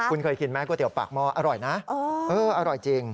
คุณเคยกินไหมก๋วเตี๋ยปากหม้ออร่อยนะอร่อยจริง